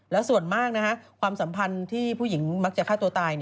และส่วนมากความสัมพันธ์ที่ผู้หญิงมักจะฆ่าตัวตาย